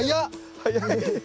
早い。